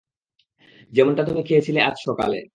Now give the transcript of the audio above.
যেমনটা তুমি খেয়েছিলে আজ সকালে।